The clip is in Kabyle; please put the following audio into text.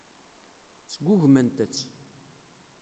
Sgugment-tt.